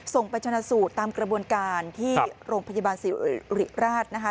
ไปชนะสูตรตามกระบวนการที่โรงพยาบาลสิริราชนะคะ